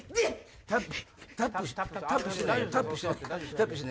タップして！